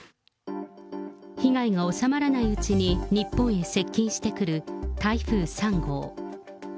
被害が収まらないうちに日本へ接近してくる台風３号。